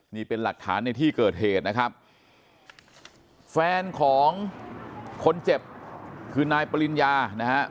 นี่เป็นหลักฐานในที่เกิดเหตุนะครับแฟนของคนเจ็บคือนายปริญญานะฮะ